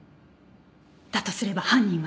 だとすれば犯人は。